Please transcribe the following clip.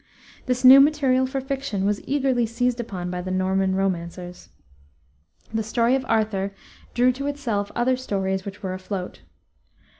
This new material for fiction was eagerly seized upon by the Norman romancers. The story of Arthur drew to itself other stories which were afloat.